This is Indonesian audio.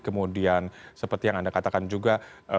kemudian seperti yang anda katakan juga